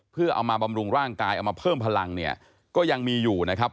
เพื่อเอามาบำรุงร่างกายเอามาเพิ่มพลังเนี่ยก็ยังมีอยู่นะครับ